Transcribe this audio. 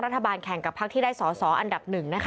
รัฐบาลแข่งกับภาคที่ได้สสอันดับ๑